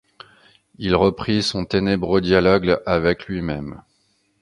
ll reprit son ténébreux dialogue avec lui-même.